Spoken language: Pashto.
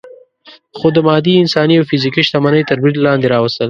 خو د مادي، انساني او فزیکي شتمنۍ تر برید لاندې راوستل.